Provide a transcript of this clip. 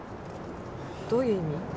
どういう意味？